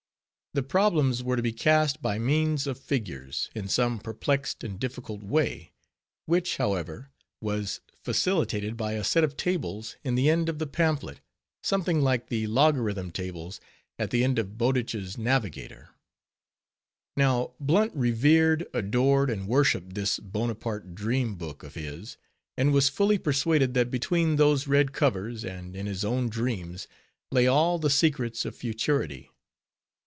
The problems were to be cast by means of figures, in some perplexed and difficult way, which, however, was facilitated by a set of tables in the end of the pamphlet, something like the Logarithm Tables at the end of Bowditch's Navigator. Now, Blunt revered, adored, and worshiped this Bonaparte Dream Book of his; and was fully persuaded that between those red covers, and in his own dreams, lay all the secrets of futurity.